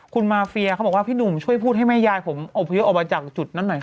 คุณมาเฟียเขาบอกว่าพี่หนุ่มช่วยพูดให้แม่ยายผมอบพยพออกมาจากจุดนั้นหน่อยครับ